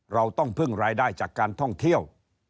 เราต้องพึ่งรายได้จากการท่องเที่ยว